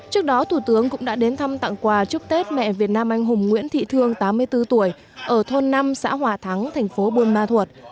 trước đó thủ tướng cũng đã đến thăm tặng quà chúc tết mẹ việt nam anh hùng nguyễn thị thương tám mươi bốn tuổi ở thôn năm xã hòa thắng thành phố buôn ma thuột